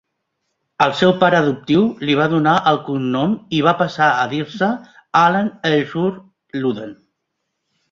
El seu pare adoptiu li va donar el cognom i va passar a dir-se Allen Ellsworth Ludden.